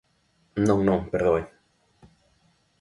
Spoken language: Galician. Non, non, perdoe.